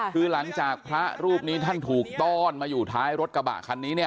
คือหลังจากพระรูปนี้ท่านถูกต้อนมาอยู่ท้ายรถกระบะคันนี้เนี่ย